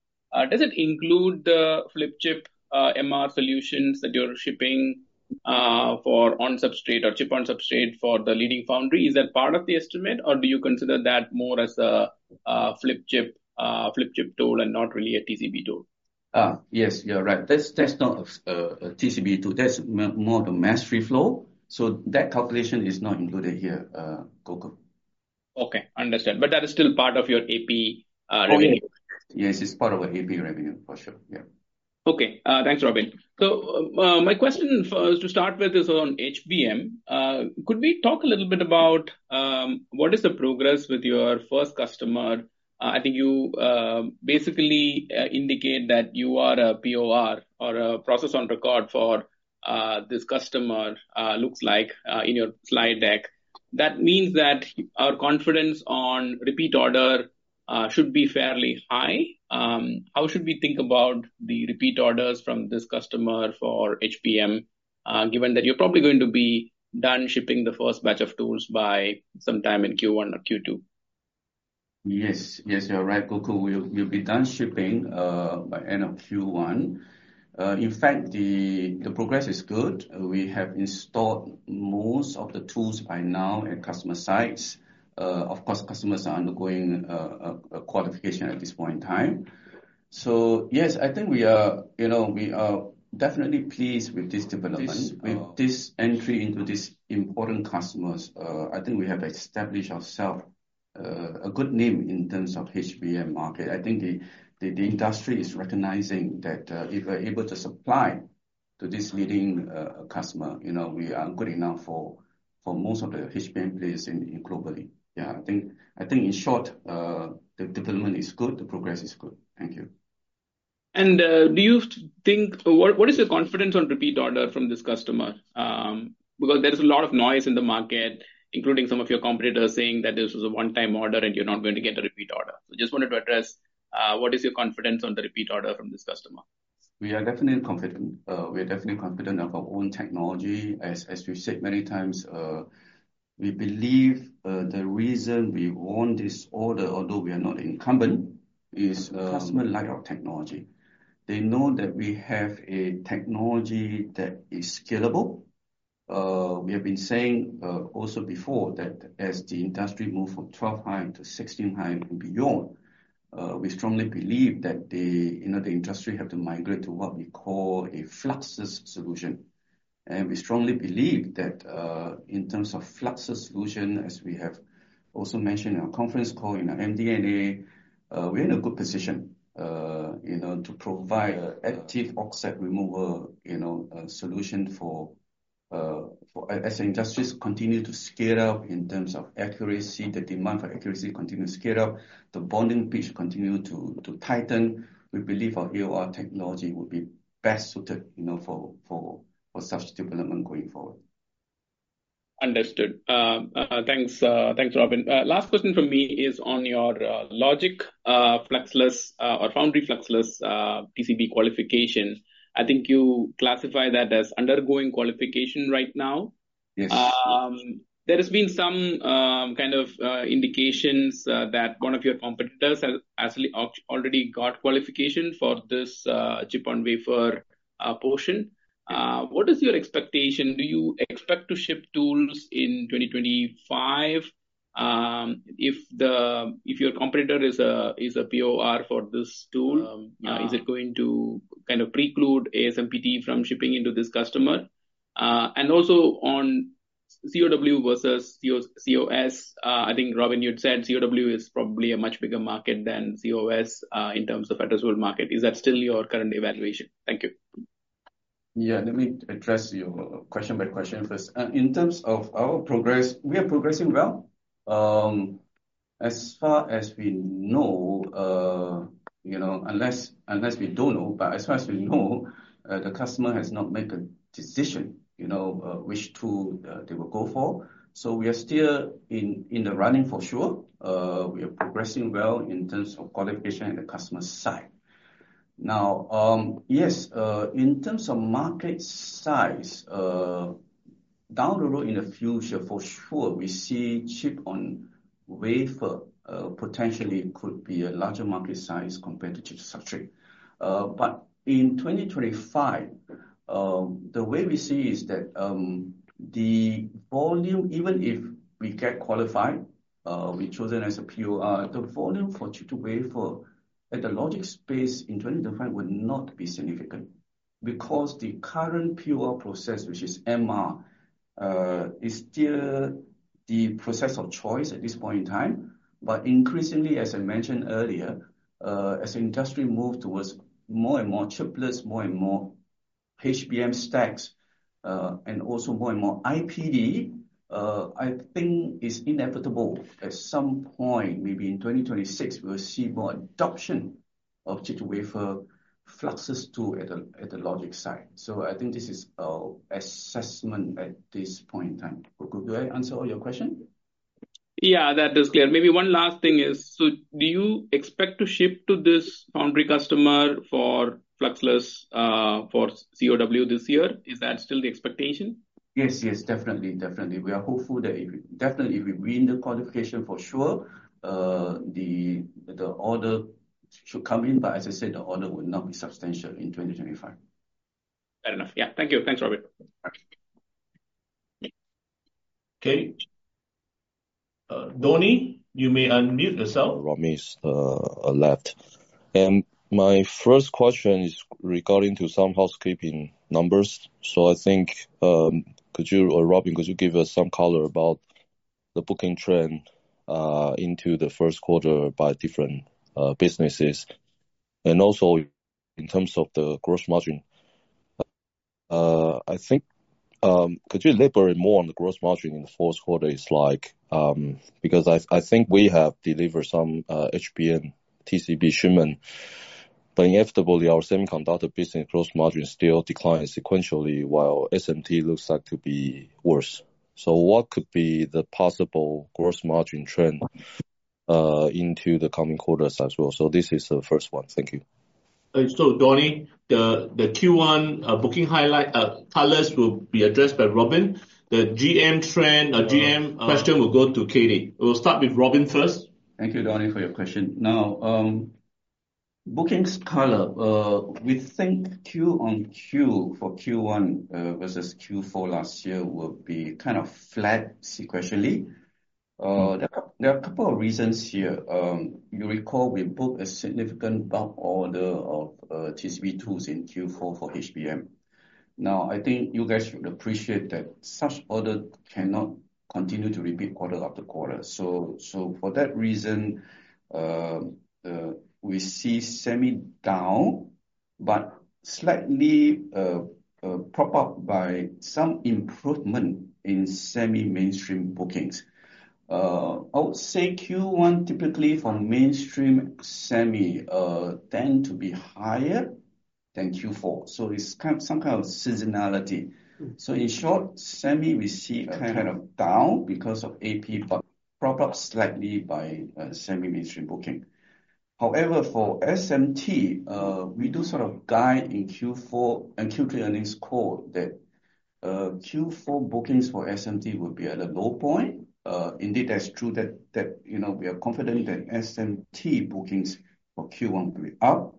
Does it include the Flip Chip MR solutions that you're shipping for on-substrate or Chip-on-Substrate for the leading foundry? Is that part of the estimate, or do you consider that more as a Flip Chip tool and not really a TCB tool? Yes, you're right. That's not a TCB tool. That's more the Mass Reflow. So that calculation is not included here, Goku. Okay. Understood. But that is still part of your AP revenue? Yes, it's part of our AP revenue for sure. Yeah. Okay. Thanks, Robin. So my question to start with is on HBM. Could we talk a little bit about what is the progress with your first customer? I think you basically indicate that you are a POR or a process of record for this customer, looks like in your slide deck. That means that our confidence on repeat order should be fairly high. How should we think about the repeat orders from this customer for HBM, given that you're probably going to be done shipping the first batch of tools by sometime in Q1 or Q2? Yes. Yes, you're right. Goku, we'll be done shipping by end of Q1. In fact, the progress is good. We have installed most of the tools by now at customer sites. Of course, customers are undergoing a qualification at this point in time. So yes, I think we are definitely pleased with this development. With this entry into these important customers, I think we have established ourselves a good name in terms of HBM market. I think the industry is recognizing that if we're able to supply to this leading customer, we are good enough for most of the HBM players globally. Yeah, I think in short, the development is good. The progress is good. Thank you. And do you think what is your confidence on repeat order from this customer? Because there's a lot of noise in the market, including some of your competitors saying that this was a one-time order and you're not going to get a repeat order. So just wanted to address what is your confidence on the repeat order from this customer? We are definitely confident. We are definitely confident of our own technology. As we said many times, we believe the reason we won this order, although we are not incumbent, is customer like our technology. They know that we have a technology that is scalable. We have been saying also before that as the industry moved from 12 high to 16 high and beyond, we strongly believe that the industry has to migrate to what we call a fluxless solution. And we strongly believe that in terms of fluxless solution, as we have also mentioned in our conference call in our MD&A, we're in a good position to provide an active oxide removal solution, as the industries continue to scale up in terms of accuracy, the demand for accuracy continues to scale up, the bonding pitch continues to tighten. We believe our AOR technology would be best suited for such development going forward. Understood. Thanks, Robin. Last question for me is on your logic fluxless or foundry fluxless TCB qualification. I think you classify that as undergoing qualification right now. Yes. There has been some kind of indications that one of your competitors has actually already got qualification for this chip-on-wafer portion. What is your expectation? Do you expect to ship tools in 2025 if your competitor is a POR for this tool? Is it going to kind of preclude ASMPT from shipping into this customer? And also on COW versus COS, I think Robin you'd said COW is probably a much bigger market than COS in terms of addressable market. Is that still your current evaluation? Thank you. Yeah, let me address your question by question first. In terms of our progress, we are progressing well. As far as we know, unless we don't know, but as far as we know, the customer has not made a decision which tool they will go for. So we are still in the running for sure. We are progressing well in terms of qualification and the customer side. Now, yes, in terms of market size, down the road in the future, for sure, we see chip-on-wafer potentially could be a larger market size compared to chip-on-substrate market. But in 2025, the way we see is that the volume, even if we get qualified, we're chosen as a POR, the volume for chip-to-wafer at the logic space in 2025 will not be significant because the current POR process, which is MR, is still the process of choice at this point in time. But increasingly, as I mentioned earlier, as the industry moves towards more and more chiplets, more and more HBM stacks, and also more and more IPD, I think it's inevitable at some point, maybe in 2026, we will see more adoption of chip-to-wafer fluxless tool at the logic side. So I think this is an assessment at this point in time. Goku, do I answer all your questions? Yeah, that is clear. Maybe one last thing is, so do you expect to ship to this foundry customer for fluxless for COW this year? Is that still the expectation? Yes, yes, definitely. Definitely. We are hopeful that definitely if we win the qualification, for sure, the order should come in. But as I said, the order will not be substantial in 2025. Fair enough. Yeah. Thank you. Thanks, Robin. Okay. Doni, you may unmute yourself. Romeo's left. And my first question is regarding to some housekeeping numbers. So I think, Robin, could you give us some color about the booking trend into the Q1 by different businesses? And also in terms of the gross margin, I think could you elaborate more on the gross margin in the Q4 is like because I think we have delivered some HBM TCB shipment, but inevitably, our semiconductor business gross margin still declines sequentially, while SMT looks like to be worse. So what could be the possible gross margin trend into the coming quarters as well? So this is the first one. Thank you. Thanks. So, Doni, the Q1 booking highlight colors will be addressed by Robin. The GM question will go to Katie. We'll start with Robin first. Thank you, Doni, for your question. Now, bookings color, we think Q on Q for Q1 versus Q4 last year will be kind of flat sequentially. There are a couple of reasons here. You recall we booked a significant bulk order of TCB tools in Q4 for HBM. Now, I think you guys should appreciate that such order cannot continue to repeat order after quarter. So for that reason, we see semi down, but slightly propped up by some improvement in semi mainstream bookings. I would say Q1 typically for mainstream semi tend to be higher than Q4. So it's some kind of seasonality. So in short, Semi we see kind of down because of AP, but propped up slightly by Semi mainstream bookings. However, for SMT, we do sort of guide, in Q4 and Q3 earnings call, that Q4 bookings for SMT will be at a low point. Indeed, that's true that we are confident that SMT bookings for Q1 will be up,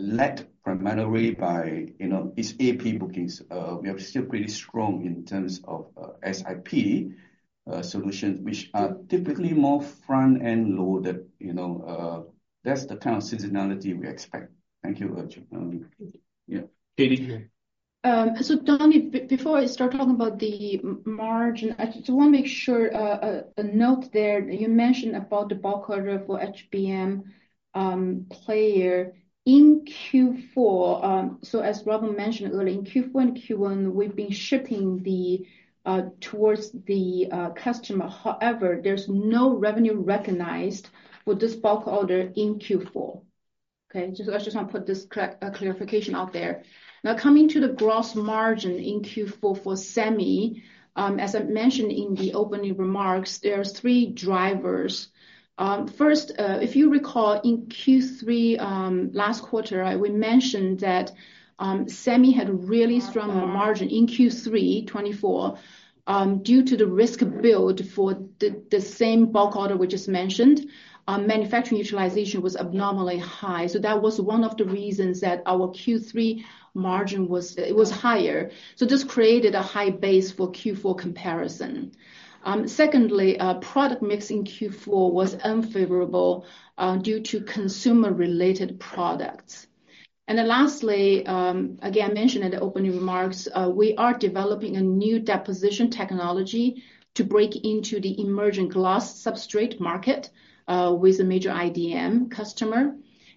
led primarily by its AP bookings. We are still pretty strong in terms of SiP solutions, which are typically more front-end loaded. That's the kind of seasonality we expect. Thank you. Katie. So, Doni, before I start talking about the margin, I just want to make a note there. You mentioned about the bulk order for HBM player in Q4. So as Robin mentioned earlier, in Q4 and Q1, we've been shipping to the customer. However, there's no revenue recognized for this bulk order in Q4. Okay? I just want to put this clarification out there. Now, coming to the gross margin in Q4 for semi, as I mentioned in the opening remarks, there are three drivers. First, if you recall, in Q3 last quarter, we mentioned that semi had a really strong margin in Q3 2024 due to the risk build for the same bulk order we just mentioned. Manufacturing utilization was abnormally high. So that was one of the reasons that our Q3 margin was higher. So this created a high base for Q4 comparison. Secondly, product mix in Q4 was unfavorable due to consumer-related products. And then lastly, again, I mentioned in the opening remarks, we are developing a new deposition technology to break into the emerging glass substrate market with a major IDM customer.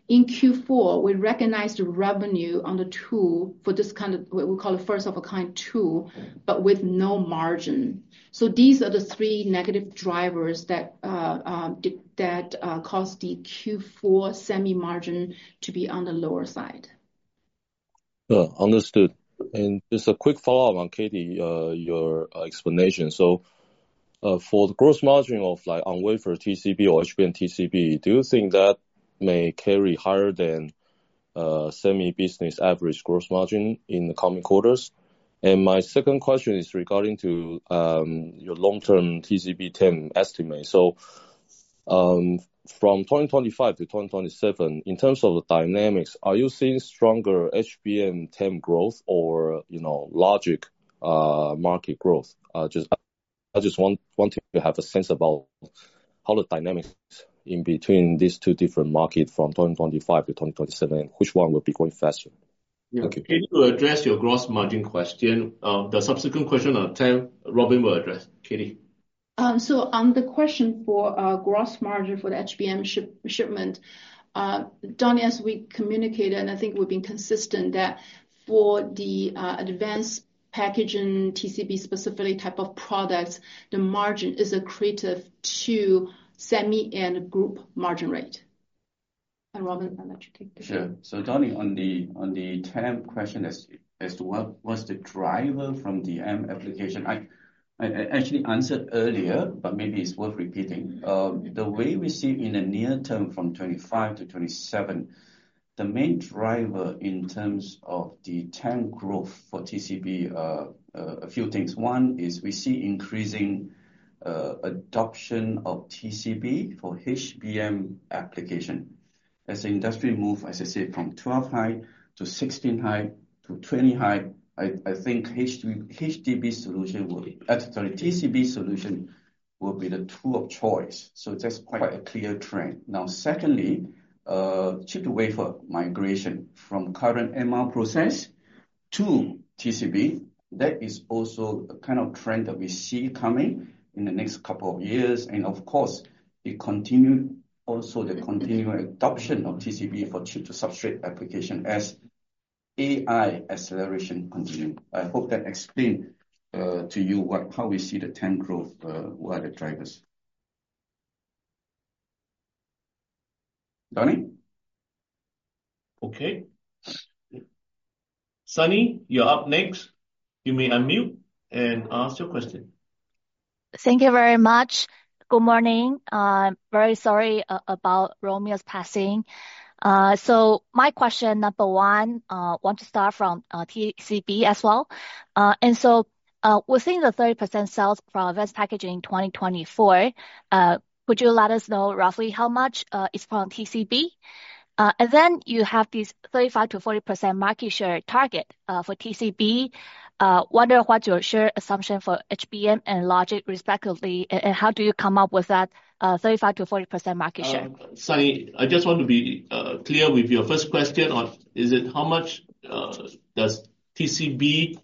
In Q4, we recognized the revenue on the tool for this kind of what we call a first-of-a-kind tool, but with no margin. So these are the three negative drivers that caused the Q4 Semi margin to be on the lower side. Understood. And just a quick follow-up on Katie, your explanation. So for the gross margin of non-wafer TCB or HBM TCB, do you think that may carry higher than Semi business average gross margin in the coming quarters? And my second question is regarding to your long-term TCB TAM estimate. So from 2025 to 2027, in terms of the dynamics, are you seeing stronger HBM TAM growth or logic market growth? I just want to have a sense about how the dynamics in between these two different markets from 2025 to 2027, which one will be going faster? Thank you. To address your gross margin question, the subsequent question on semi, Robin will address. Katie. So on the question for gross margin for the HBM shipment, Doni, as we communicated, and I think we've been consistent, that for the advanced packaging TCB specifically type of products, the margin is accretive to semi and group margin rate. And Robin, I'll let you take the floor. Sure. So, Doni, on the semi question as to what's the driver from the HBM application, I actually answered earlier, but maybe it's worth repeating. The way we see in the near term from 2025 to 2027, the main driver in terms of the semi growth for TCB, a few things. One is we see increasing adoption of TCB for HBM application. As the industry move, as I said, from 12 high to 16 high to 20 high, I think HBM solution will be sorry, TCB solution will be the tool of choice. So that's quite a clear trend. Now, secondly, chip-to-wafer migration from current MR process to TCB, that is also a kind of trend that we see coming in the next couple of years. And of course, also the continued adoption of TCB for chip-to-substrate application as AI acceleration continues. I hope that explained to you how we see the TCB growth, what are the drivers. Doni? Okay. Sunny, you're up next. You may unmute and ask your question. Thank you very much. Good morning. Very sorry about Romeo's passing. So my question, number one, want to start from TCB as well. And so within the 30% sales for advanced packaging in 2024, could you let us know roughly how much is from TCB? And then you have this 35%-40% market share target for TCB. I wonder what's your share assumption for HBM and logic respectively, and how do you come up with that 35%-40% market share? Sunny, I just want to be clear with your first question. Is it how much does TCB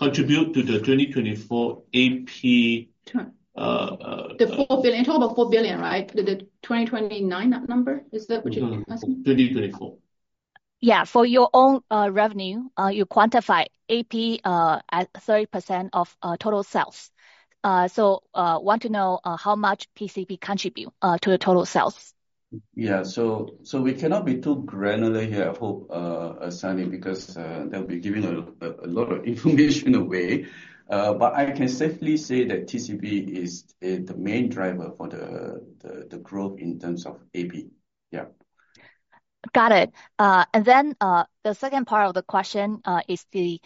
contribute to the 2024 AP? The 4 billion. Talk about 4 billion, right? The 2029 number, is that what you're asking? 2024. Yeah. For your own revenue, you quantify AP at 30% of total sales. So I want to know how much TCB contribute to the total sales. Yeah. So we cannot be too granular here, I hope, Sunny, because they'll be giving a lot of information away. But I can safely say that TCB is the main driver for the growth in terms of AP. Yeah. Got it. And then the second part of the question is the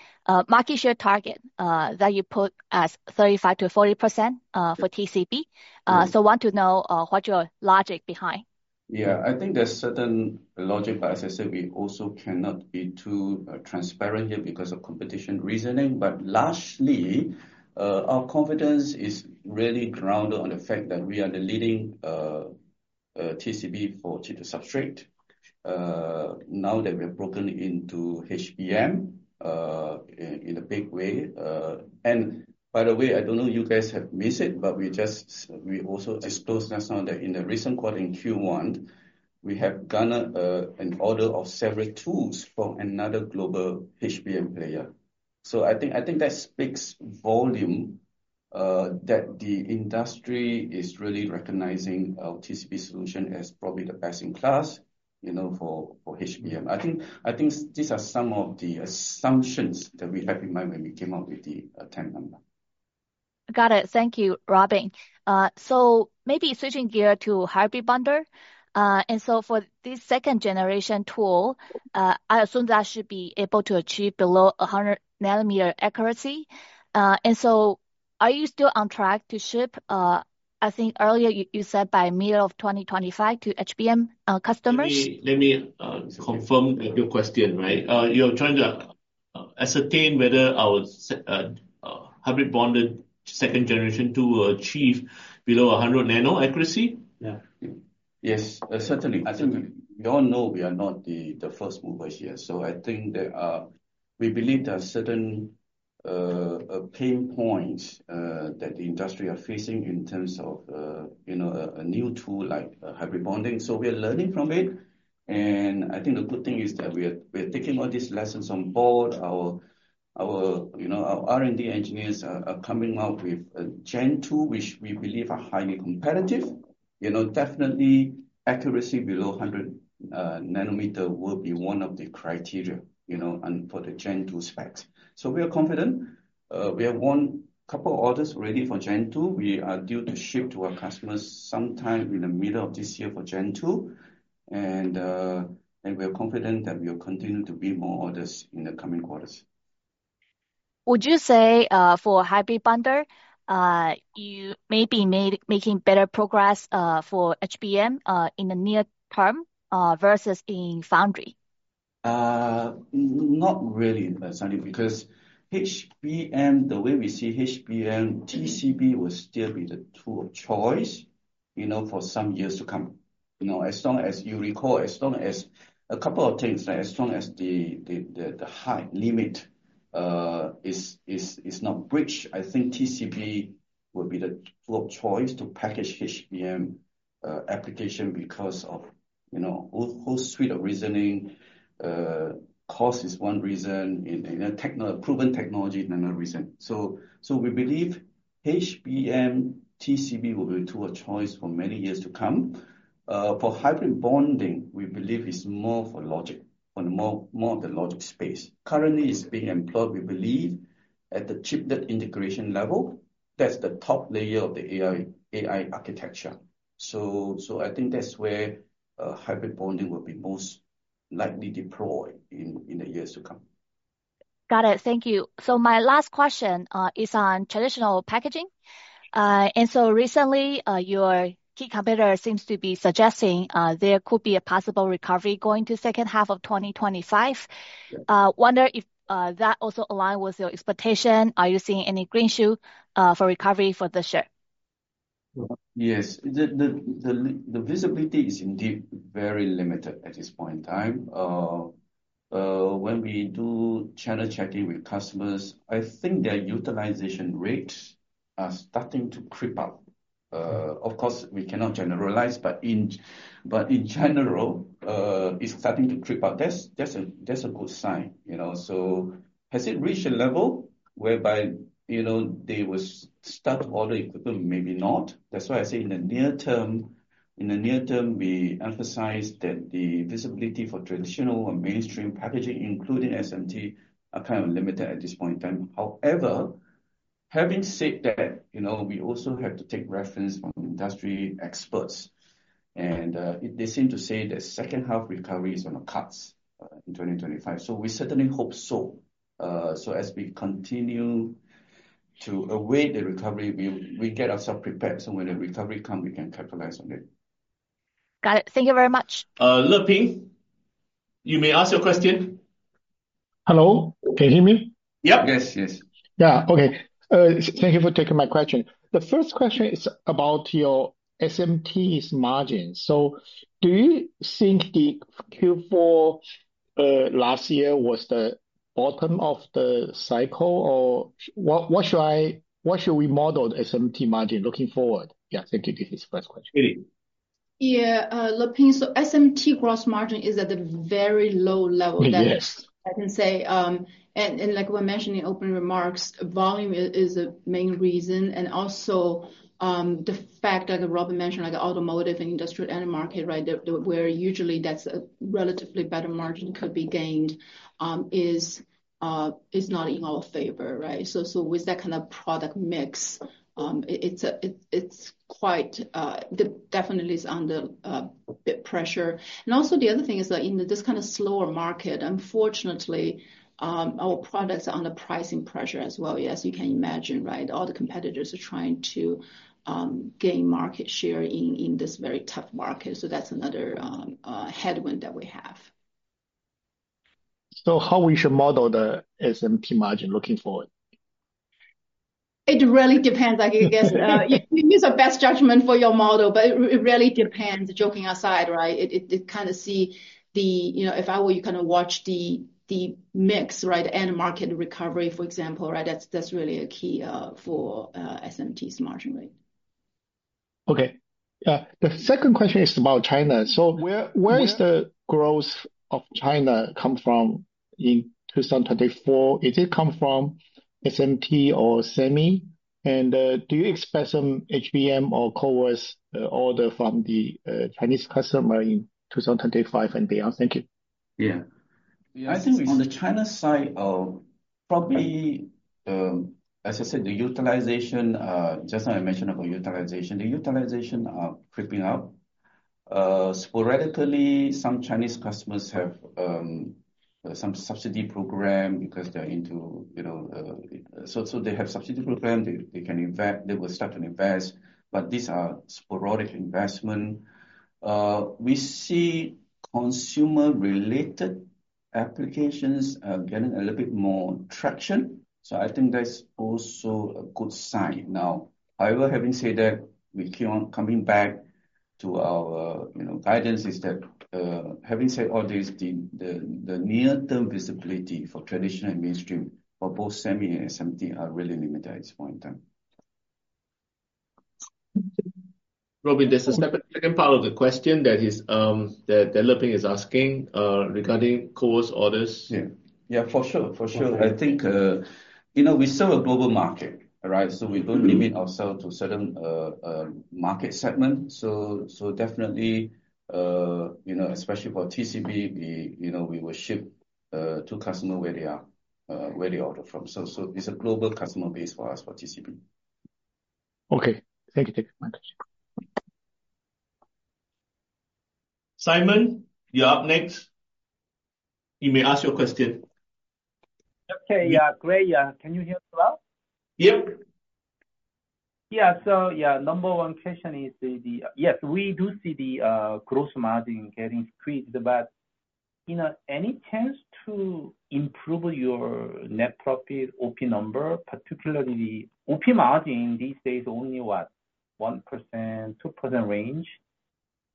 market share target that you put as 35%-40% for TCB. So I want to know what's your logic behind. Yeah. I think there's certain logic, but as I said, we also cannot be too transparent here because of competition reasoning. But lastly, our confidence is really grounded on the fact that we are the leading TCB for chip-to-substrate. Now that we have broken into HBM in a big way. And by the way, I don't know you guys have missed it, but we also disclosed last time that in the recent quarter in Q1, we have garnered an order of several tools from another global HBM player. I think that speaks volumes that the industry is really recognizing our TCB solution as probably the best-in-class for HBM. I think these are some of the assumptions that we had in mind when we came up with the TAM number. Got it. Thank you, Robin. Maybe switching gears to Hybrid Bonder. For this second-generation tool, I assume that should be able to achieve below 100-nanometer accuracy. Are you still on track to ship? I think earlier you said by mid-2025 to HBM customers. Let me confirm your question, right? You're trying to ascertain whether our Hybrid Bonder second-generation tool will achieve below 100 nano accuracy? Yeah. Yes, certainly. I think we all know we are not the first movers here. So I think we believe there are certain pain points that the industry is facing in terms of a new tool like Hybrid Bonding. So we're learning from it. And I think the good thing is that we're taking all these lessons on board. Our R&D engineers are coming out with a Gen 2, which we believe are highly competitive. Definitely, accuracy below 100 nanometer will be one of the criteria for the Gen 2 specs. So we are confident. We have won a couple of orders already for Gen 2. We are due to ship to our customers sometime in the middle of this year for Gen 2. And we are confident that we will continue to win more orders in the coming quarters. Would you say for Hybrid Bonder, you may be making better progress for HBM in the near term versus in foundry? Not really, Sunny, because the way we see HBM, TCB will still be the tool of choice for some years to come. As long as the height limit is not breached, I think TCB will be the tool of choice to package HBM application because of whole suite of reasons. Cost is one reason. Proven technology is another reason. So we believe HBM TCB will be a tool of choice for many years to come. For Hybrid Bonding, we believe it's more for logic, for more of the logic space. Currently, it's being employed, we believe, at the chiplet integration level. That's the top layer of the AI architecture. So I think that's where Hybrid Bonding will be most likely deployed in the years to come. Got it. Thank you. So my last question is on traditional packaging. And so recently, your key competitor seems to be suggesting there could be a possible recovery in the second half of 2025. I wonder if that also aligns with your expectation. Are you seeing any green shoots for recovery for this year? Yes. The visibility is indeed very limited at this point in time. When we do channel checking with customers, I think their utilization rates are starting to creep up. Of course, we cannot generalize, but in general, it's starting to creep up. That's a good sign. So has it reached a level whereby they will start to order equipment? Maybe not. That's why I say in the near term, we emphasize that the visibility for traditional or mainstream packaging, including SMT, is kind of limited at this point in time. However, having said that, we also have to take reference from industry experts. And they seem to say that second-half recovery is on the cards in 2025. So we certainly hope so. So as we continue to await the recovery, we get ourselves prepared. So when the recovery comes, we can capitalize on it. Got it. Thank you very much. Leping, you may ask your question. Hello? Can you hear me? Yep. Yes, yes. Yeah. Okay. Thank you for taking my question. The first question is about your SMT margin. So do you think Q4 last year was the bottom of the cycle? Or what should we model the SMT margin looking forward? Yeah. Thank you. This is the first question. Yeah. Le Ping, so SMT gross margin is at a very low level. I can say. And like we mentioned in opening remarks, volume is a main reason. Also the fact that, as Robin mentioned, like automotive and industrial end market, right, where usually that's a relatively better margin could be gained, is not in our favor, right? So with that kind of product mix, it's quite definitely under pressure. And also the other thing is that in this kind of slower market, unfortunately, our products are under pricing pressure as well, as you can imagine, right? All the competitors are trying to gain market share in this very tough market. So that's another headwind that we have. So how we should model the SMT margin looking forward? It really depends. I guess you use your best judgment for your model, but it really depends. Joking aside, right, you kind of see if I were you kind of watch the mix, right, the end market recovery, for example, right? That's really a key for SMT's margin rate. Okay. The second question is about China. So where is the growth of China come from in 2024? Is it come from SMT or Semi? And do you expect some HBM or CoWoS order from the Chinese customer in 2025 and beyond? Thank you. Yeah. I think on the China side of probably, as I said, the utilization, just like I mentioned about utilization, the utilization are creeping up. Sporadically, some Chinese customers have some subsidy program because they're into so they have subsidy program. They will start to invest. But these are sporadic investments. We see consumer-related applications getting a little bit more traction. So I think that's also a good sign. Now, however, having said that, we keep on coming back to our guidance is that, having said all this, the near-term visibility for traditional and mainstream for both Semi and SMT are really limited at this point in time. Robin, there's a second part of the question that Le Ping is asking regarding CoWoS orders. Yeah. Yeah, for sure. For sure. I think we serve a global market, right? So we don't limit ourselves to certain market segments. So definitely, especially for TCB, we will ship to customers where they are where they order from. So it's a global customer base for us for TCB. Okay. Thank you. Thank you very much. Simon, you're up next. You may ask your question. Okay. Yeah. Great. Yeah. Can you hear me well? Yep. Yeah. So yeah, number one question is, yes, we do see the gross margin getting squeezed, but any chance to improve your net profit OP number, particularly the OP margin these days only what, 1%-2% range?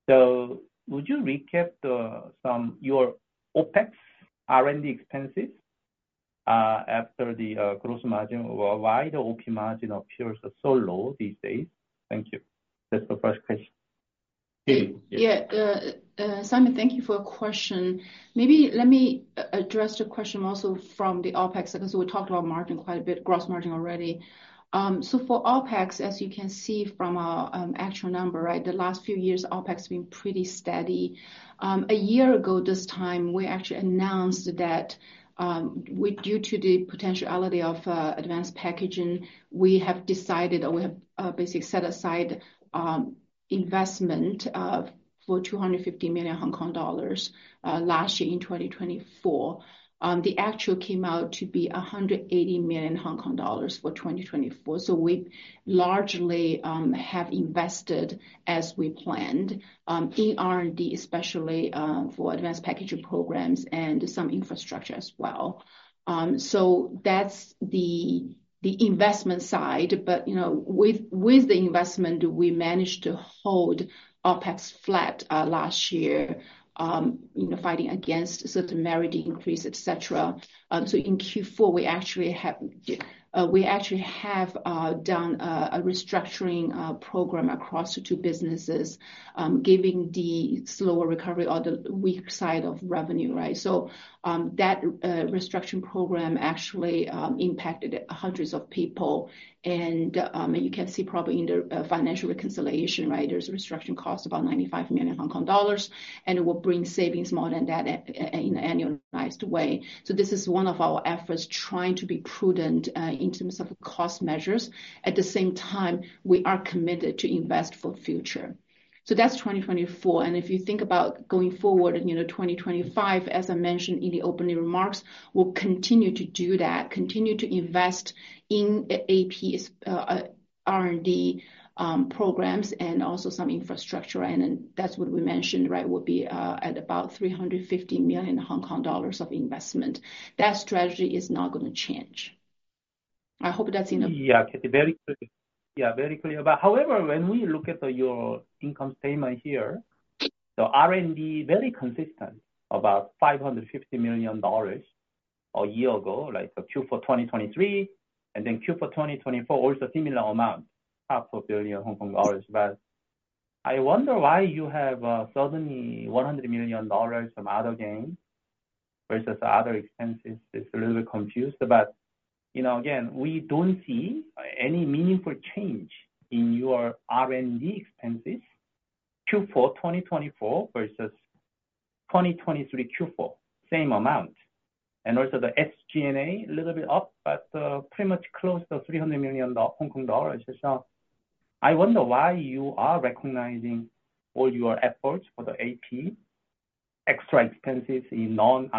So would you recap some of your OpEx R&D expenses after the gross margin? Why the OP margin appears so low these days? Thank you. That's the first question. Yeah. Simon, thank you for the question. Maybe let me address the question also from the OpEx because we talked about margin quite a bit, gross margin already. So for OpEx, as you can see from our actual number, right, the last few years, OpEx has been pretty steady. A year ago this time, we actually announced that due to the potentiality of Advanced Packaging, we have decided or we have basically set aside investment for 250 million Hong Kong dollars last year in 2024. The actual came out to be 180 million Hong Kong dollars for 2024. We largely have invested as we planned in R&D, especially for advanced packaging programs and some infrastructure as well. That's the investment side, but with the investment, we managed to hold OpEx flat last year, fighting against certain merit increase, etc. In Q4, we actually have done a restructuring program across the two businesses, giving the slower recovery or the weak side of revenue, right? That restructuring program actually impacted hundreds of people. You can see probably in the financial reconciliation, right? There's a restructuring cost of about 95 million Hong Kong dollars. It will bring savings more than that in an annualized way. This is one of our efforts trying to be prudent in terms of cost measures. At the same time, we are committed to invest for the future. So that's 2024. If you think about going forward in 2025, as I mentioned in the opening remarks, we'll continue to do that, continue to invest in AP R&D programs and also some infrastructure. That's what we mentioned, right, will be at about 350 million Hong Kong dollars of investment. That strategy is not going to change. I hope that's enough. Yeah. Very clear. Yeah. Very clear. However, when we look at your income statement here, the R&D is very consistent, about $550 million a year ago, like Q4 2023. Then Q4 2024, also similar amount, 500 million Hong Kong dollars. I wonder why you have suddenly $100 million from other gains versus other expenses. It's a little bit confused. But again, we don't see any meaningful change in your R&D expenses Q4 2024 versus 2023 Q4, same amount. And also the SG&A is a little bit up, but pretty much close to 300 million Hong Kong dollars. So I wonder why you are recognizing all your efforts for the AP, extra expenses in non.